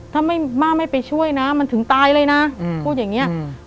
ถ้าไม่ม่าไม่ไปช่วยนะมันถึงตายเลยนะพูดอย่างนี้